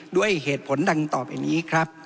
ด้วยเหตุผลดังต่อไปนี้ครับ